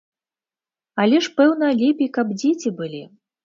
Але ж, пэўна, лепей, каб дзеці былі?